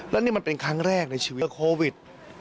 และนี่มันเป็นครั้งแรกในชีวิตโควิด